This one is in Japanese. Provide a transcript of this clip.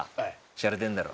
しゃれてるだろ？